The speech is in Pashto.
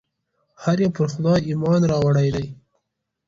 هر یو پر خدای ایمان راوړی دی.